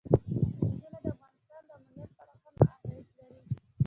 سیندونه د افغانستان د امنیت په اړه هم اغېز لري.